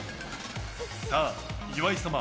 さあ、岩井様